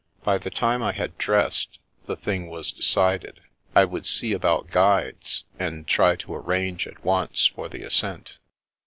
By the time I had dressed, the thing was decided. I would see about guides, and try to arrange at once for the ascent.